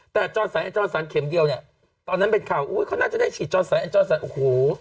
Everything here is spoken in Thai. แต่จอสายไอจอสันเข็มเดียวเนี่ยตอนนั้นเป็นข่าวอุ้ยเขาน่าจะได้ฉีดจอสายไอจอสันโอ้โห